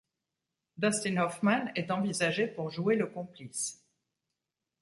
Dustin Hoffman est envisagé pour jouer le complice.